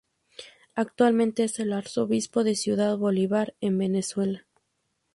Actualmente es el Arzobispo de Ciudad Bolívar en Venezuela.